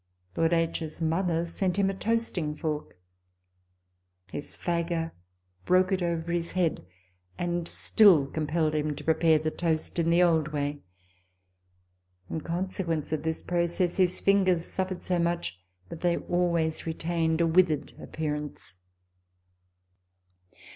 Lord H.'s mother sent him a toasting fork. His f agger broke t over his head, and still compelled him to prepare the toast in the old way. In consequence of this process his fingers suffered so much that they always retained a withered appearance.